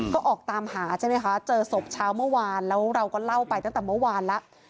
ก็ออกตามหาใช่ไหมคะเจอศพเช้าเมื่อวานแล้วเราก็เล่าไปตั้งแต่เมื่อวานแล้ว